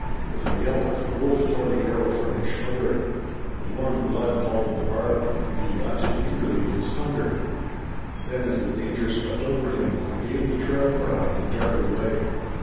With a yelp the wolf tore the arrow from his shoulder. The warm blood followed the barb, and he lapped it eagerly in his hunger. Then, as the danger swept over him, he gave the trail cry and darted away.